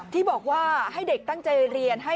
ที่บอกว่าให้เด็กตั้งใจเรียน